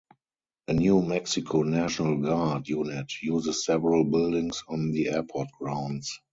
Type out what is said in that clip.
A New Mexico National Guard unit uses several buildings on the airport grounds.